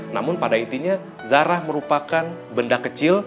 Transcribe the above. namun pada intinya zarah merupakan benda kecil